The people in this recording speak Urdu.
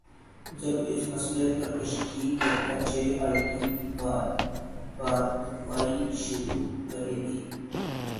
جب اس مسئلے پہ تشکیل کردہ جے آئی ٹی کارروائی شروع کرے گی۔